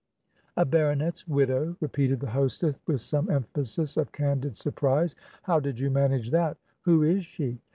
"A baronet's widow?" repeated the hostess, with some emphasis of candid surprise. "How did you manage that? Who is she?"